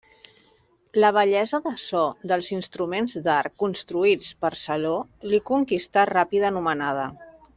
La bellesa de so dels instruments d'arc construïts per Saló li conquistà ràpida anomenada.